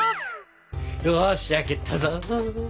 よし焼けたぞ。